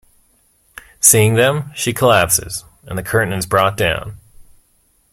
Seeing them, she collapses, and the curtain is brought down.